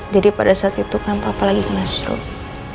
jadi pada saat itu kenapa aku lagi kena stroke